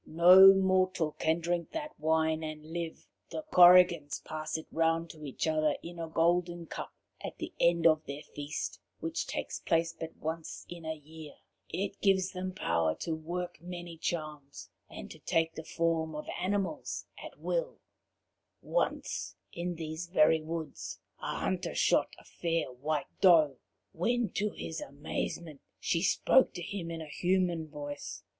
No mortal can drink that wine and live. The Korrigans pass it round to each other in a golden cup at the end of their feast, which takes place but once in the year. It gives them power to work many charms, and to take the form of animals at will." The Hunter who shot the white Doe. "Once, in these very woods, a hunter shot a fair white doe, when to his amazement, she spoke to him in a human voice.